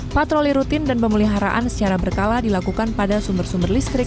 patroli rutin dan pemeliharaan secara berkala dilakukan pada sumber sumber listrik